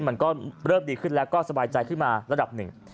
มันก็เริ่มดีขึ้นแล้วก็สบายใจขึ้นมาระดับหนึ่ง